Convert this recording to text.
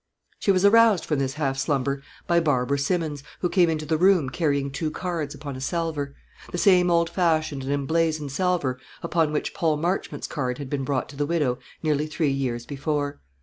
She was aroused from this half slumber by Barbara Simmons, who came into the room carrying two cards upon a salver, the same old fashioned and emblazoned salver upon which Paul Marchmont's card had been brought to the widow nearly three years before.